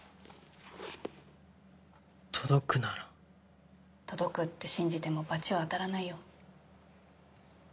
「『届くなら』」届くって信じてもバチは当たらないよ。